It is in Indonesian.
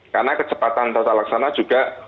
karena kecepatan tata laksana juga